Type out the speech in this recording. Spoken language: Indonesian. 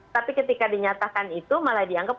tapi ketika dinyatakan itu malah dianggap